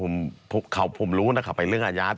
ไม่ผมรู้นะครับไปเรื่องอายัด